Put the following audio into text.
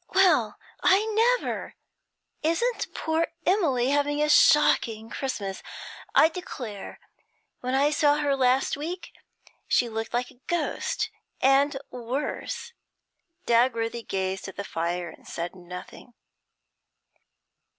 'Well, I never! Isn't poor Emily having a shocking Christmas! I declare, when I saw her last week, she looked like a ghost, and worse.' Dagworthy gazed at the fire and said nothing.